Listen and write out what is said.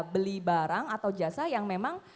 beli barang atau jasa yang memang